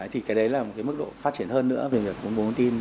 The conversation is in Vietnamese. thì cái đấy là một cái mức độ phát triển hơn nữa về người công bố thông tin